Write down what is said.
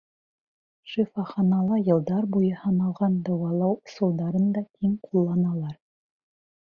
Шифаханала йылдар буйы һыналған дауалау ысулдарын да киң ҡулланалар.